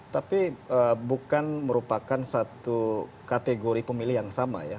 tapi bukan merupakan satu kategori pemilih yang sama ya